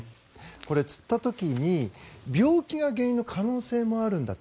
これ、つった時に病気が原因の可能性もあるんだと。